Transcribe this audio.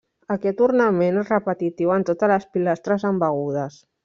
Aquest ornament és repetitiu en totes les pilastres embegudes.